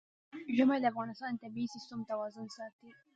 ژمی د افغانستان د طبعي سیسټم توازن ساتي.